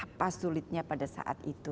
dan juga sangat sulit yang kita lakukan saat itu